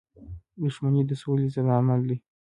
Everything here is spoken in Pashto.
• دښمني د سولی ضد عمل دی.